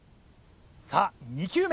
さぁ２球目。